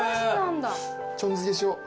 ちょんづけしよう。